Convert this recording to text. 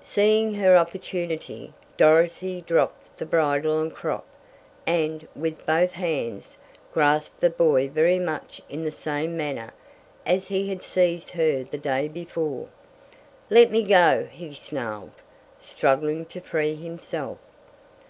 Seeing her opportunity, Dorothy dropped the bridle and crop, and, with both hands, grasped the boy very much in the same manner as he had seized her the day before. "Let me go!" he snarled, struggling to free himself.